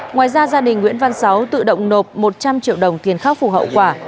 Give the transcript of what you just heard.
ngoài ra gia đình nguyễn văn sáu tự động nộp một trăm linh triệu đồng tiền khắc phục hậu quả